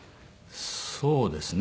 そうですね。